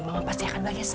mama pasti akan bales ke